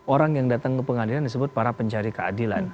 orang yang datang ke pengadilan disebut para pencari keadilan